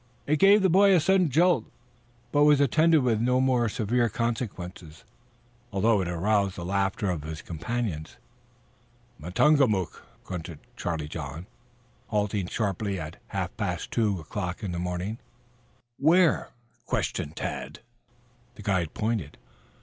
It gave the boy a sudden jolt, but was attended with no more severe consequences, although it aroused the laughter of his companions. "Matungamook," grunted Charlie John, halting sharply at half past two o'clock in the morning. "Where?" questioned Tad. The guide pointed.